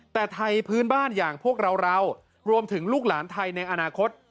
แต่ไทยพื้นบ้านอย่างพวกเราเรารวมถึงลูกหลานไทยในอนาคต